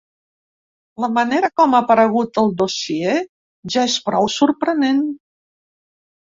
La manera com ha aparegut el dossier ja és prou sorprenent.